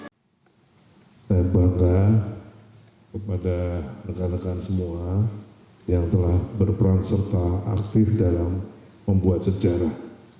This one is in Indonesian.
saya bangga kepada rekan rekan semua yang telah berperan serta aktif dalam membuat sejarah